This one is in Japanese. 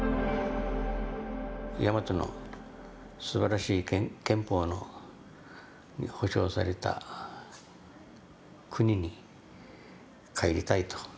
ヤマトのすばらしい憲法に保障された国に帰りたいと。